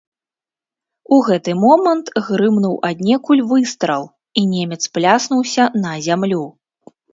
У гэты момант грымнуў аднекуль выстрал, і немец пляснуўся на зямлю.